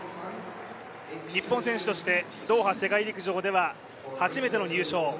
日本選手としてドーハ世界陸上では初めての入賞。